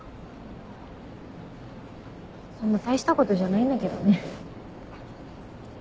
そんな大したことじゃないんだけどね。